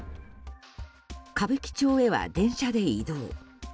歌舞伎町へは電車で移動。